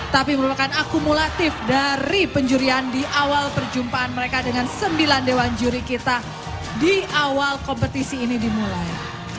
tapi merupakan akumulatif dari penjurian di awal perjumpaan mereka dengan sembilan dewan juri kita di awal kompetisi ini dimulai